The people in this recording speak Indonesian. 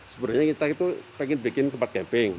sebenarnya kita itu pengen bikin tempat camping